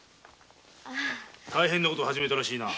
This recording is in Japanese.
大変な事を始めたらしいな。